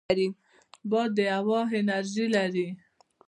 باد د هوا انرژي لري